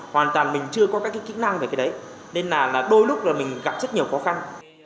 hoàn toàn mình chưa có các cái kỹ năng về cái đấy nên là đôi lúc là mình gặp rất nhiều khó khăn